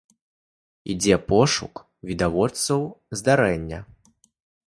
Ідзе пошук відавочцаў здарэння.